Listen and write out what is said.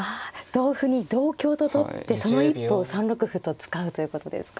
同歩に同香と取ってその一歩を３六歩と使うということですか。